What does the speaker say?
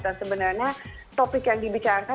dan sebenarnya topik yang dibicarakan